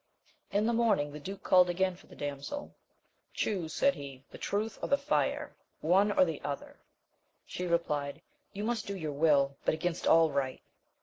In the morning, the duke called again for the damsel ; Chuse, said he, the truth or the fire ! one or the other ! She replied, you must do your will, but against all right